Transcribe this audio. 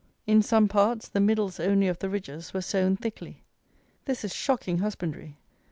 In some parts the middles only of the ridges were sown thickly. This is shocking husbandry.